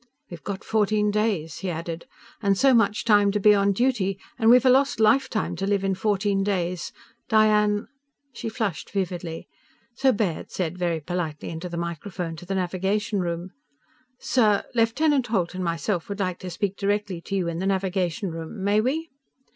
"We've got fourteen days," he added, "and so much time to be on duty, and we've a lost lifetime to live in fourteen days! Diane " She flushed vividly. So Baird said very politely into the microphone to the navigation room: "Sir, Lieutenant Holt and myself would like to speak directly to you in the navigation room. May we?"